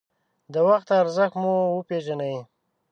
د وخت ارزښت مو وپېژنئ.